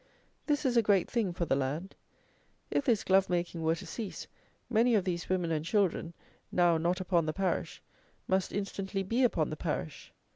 This is a great thing for the land. If this glove making were to cease, many of these women and children, now not upon the parish, must instantly be upon the parish.